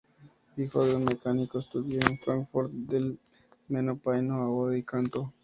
Hijo de un mecánico, estudió en Fráncfort del Meno piano, oboe y canto.